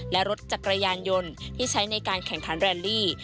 และรถจักรยานยนต์ที่ใช้ในการแข่งขันแรนลี่